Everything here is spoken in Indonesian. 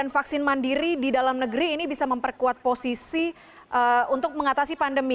vaksin mandiri di dalam negeri ini bisa memperkuat posisi untuk mengatasi pandemi